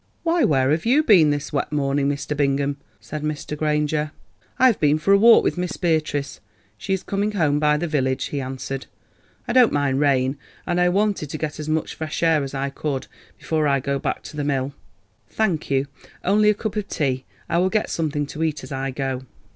"Why, where have you been this wet morning, Mr. Bingham?" said Mr. Granger. "I have been for a walk with Miss Beatrice; she is coming home by the village," he answered. "I don't mind rain, and I wanted to get as much fresh air as I could before I go back to the mill. Thank you—only a cup of tea—I will get something to eat as I go."